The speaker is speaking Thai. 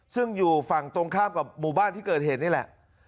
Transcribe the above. ซึ่งอยู่ฝั่งตรงข้ามกับหมู่บ้านที่เกิดเหตุนี่แหละ